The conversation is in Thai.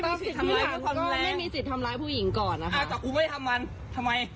ตามสิทธิ์พื้นฐานก็ไม่มีสิทธิ์ทำร้ายผู้หญิงก่อนนะคะแต่กูไม่ทำมันทำไม